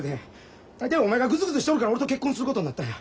大体お前がグズグズしとるから俺と結婚することになったんや。